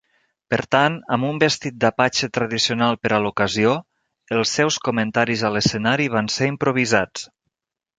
Per tant, amb un vestit d'apatxe tradicional per a l'ocasió, els seus comentaris a l'escenari van ser improvisats.